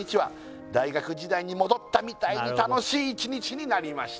「大学時代に戻ったみたいに楽しい１日になりました」